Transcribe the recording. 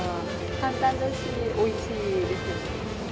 簡単だしおいしいですよね。